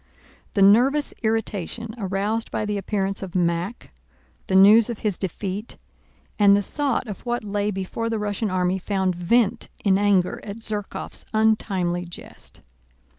The nervous irritation aroused by the appearance of Mack, the news of his defeat, and the thought of what lay before the Russian army found vent in anger at Zherkóv's untimely jest.